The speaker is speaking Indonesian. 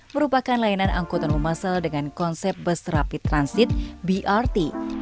merupakan layanan angkutan umum masal dengan konsep bus rapid transit brt